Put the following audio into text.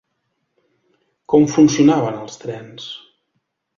Com funcionaven els trens?